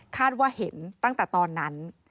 ว่าเห็นตั้งแต่ตอนนั้น